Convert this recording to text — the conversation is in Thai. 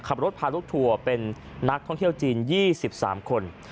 ขับรถพาลูกทัวร์เป็นนักท่องเที่ยวจีน๒๓คน